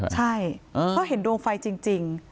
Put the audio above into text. ใช่เพราะเห็นดวงไฟจริง